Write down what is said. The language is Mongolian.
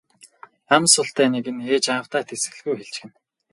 Ам султай нэг нь ээж аавдаа тэсгэлгүй хэлчихнэ.